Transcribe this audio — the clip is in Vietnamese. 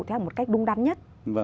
theo một cách đúng đắn nhất